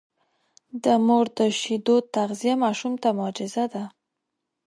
د مور د شیدو تغذیه ماشوم ته معجزه ده.